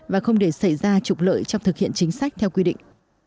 và không để xảy ra trục lợi trong thực hiện chính sách theo quy định